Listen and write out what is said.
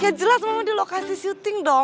ya jelas memang di lokasi syuting dong